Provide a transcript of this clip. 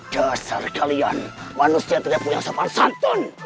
dasar kalian manusia tidak punya sama santun